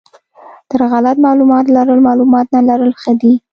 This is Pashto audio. تر غلط معلومات لرل معلومات نه لرل ښه دي.